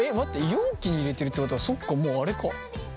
容器に入れてるってことはそっかもうあれか。